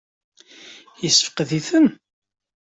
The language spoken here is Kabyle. Yessefqed-itent?